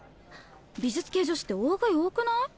美術系女子って大食い多くない？